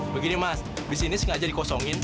begini mas disini sengaja dikosongin